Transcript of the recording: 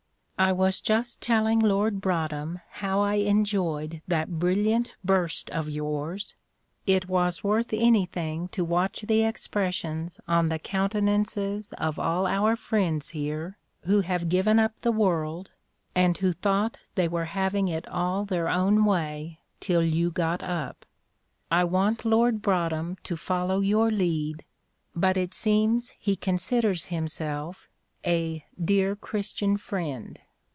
I was just telling Lord Broadhem how I enjoyed that brilliant burst of yours; it was worth anything to watch the expressions on the countenances of all our friends here who have 'given up the world,' and who thought they were having it all their own way till you got up. I want Lord Broadhem to follow your lead, but it seems he considers himself 'a dear Christian friend.'